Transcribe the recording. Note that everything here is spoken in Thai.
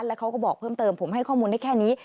แล้วเขาก็บอกเพิ่มเติมผมให้ข้อมูลได้แค่นี้